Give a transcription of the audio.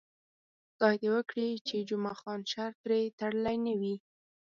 خدای دې وکړي چې جمعه خان شرط پرې تړلی نه وي.